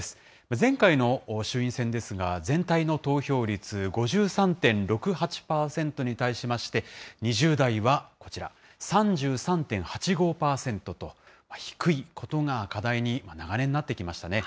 前回の衆院選ですが、全体の投票率５３．６８％に対しまして、２０代はこちら、３３．８５％と、低いことが課題に長年なってきましたね。